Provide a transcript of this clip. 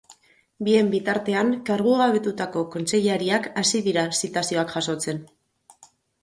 Bien bitartean, kargugabetutako kontseilariak hasi dira zitazioak jasotzen.